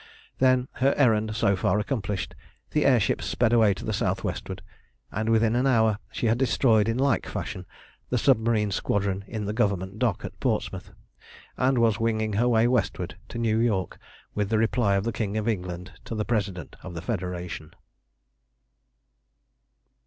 Then, her errand so far accomplished, the air ship sped away to the south westward, and within an hour she had destroyed in like fashion the submarine squadron in the Government dock at Portsmouth, and was winging her way westward to New York with the reply of the King of England to the President of the Federation.